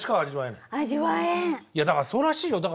いやだからそうらしいよ。